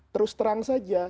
terus terang saja